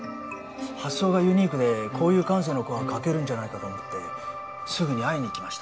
発想がユニークでこういう感性の子は書けるんじゃないかと思ってすぐに会いにいきました。